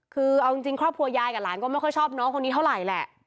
คือเอาจริงครอบครัวยายกับหลานก็ไม่ค่อยชอบน้องคนนี้เท่าไหร่แหละ